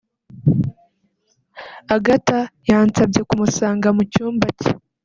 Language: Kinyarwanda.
Agatha yansabye kumusanga mu cyumba cye